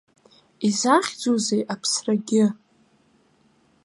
Изахьӡузеи аԥсрагьы?